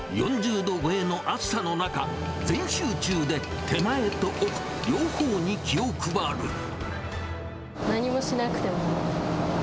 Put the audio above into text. ４０度超えの暑さの中、全集中で手前と奥、両方に気を配る。